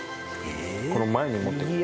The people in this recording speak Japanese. この前に持ってくる。